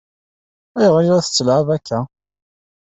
Ayɣer i la tt-tettlɛab akka?